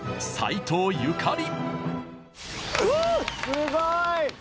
すごい！